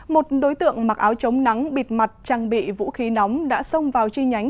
một đối tượng mặc áo chống nắng bịt mặt trang bị vũ khí nóng đã xông vào chi nhánh